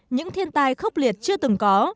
những thiên tai khốc liệt chưa từng có